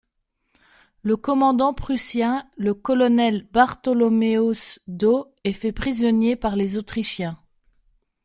Le commandant prussien, le colonel Bartholomäus d'O est fait prisonnier par les Autrichiens.